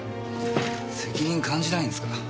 責任感じないんですか？